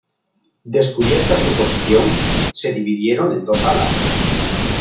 Descubierta su posición, se dividieron en dos alas.